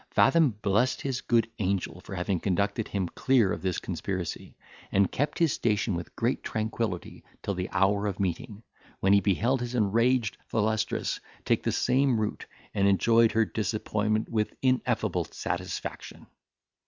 Fathom blessed his good angel for having conducted him clear of this conspiracy, and kept his station with great tranquillity till the hour of meeting, when he beheld his enraged Thalestris take the same route, and enjoyed her disappointment with ineffable satisfaction.